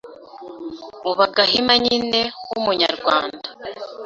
Uba Gahima nyine wumunyarwanda